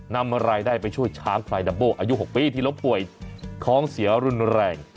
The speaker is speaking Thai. นำรายได้ไปช่วยช้างพลายดัมโบอายุ๖ปีที่ล้มป่วยท้องเสียรุนแรง